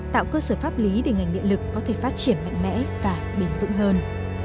tạo cơ sở pháp lý để ngành điện lực có thể phát triển mạnh mẽ và bền vững hơn